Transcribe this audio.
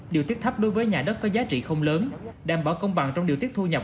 điều tiết thấp đối với nhà đất có giá trị không lớn đảm bảo công bằng trong điều tiết thu nhập